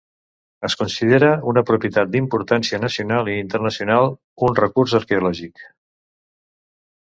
Es considera una propietat d'importància nacional i internacional, un recurs arqueològic.